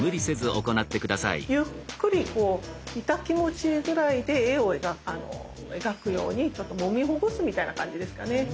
ゆっくりイタ気持ちいいぐらいで円を描くようにちょっともみほぐすみたいな感じですかね。